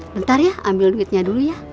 bentar ya ambil duitnya dulu ya